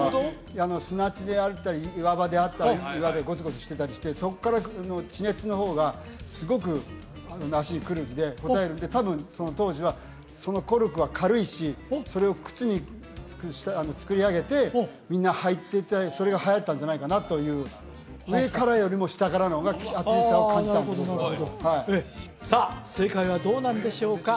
砂地であったり岩場であったり岩でゴツゴツしてたりしてそっからの地熱の方がすごく足にくるんでこたえるんで多分その当時はコルクは軽いしそれを靴に作り上げてみんな履いててそれがはやったんじゃないかなという上からよりも下からの方が暑さを感じたんだとさあ正解はどうなんでしょうか？